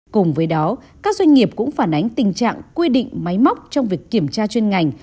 cùng với đó các doanh nghiệp cũng phản ánh tình trạng quy định máy móc trong việc kiểm tra chuyên ngành